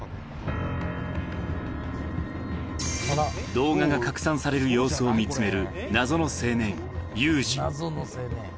動画が拡散される様子を見つおい！